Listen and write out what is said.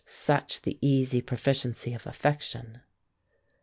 Such the easy proficiency of affection.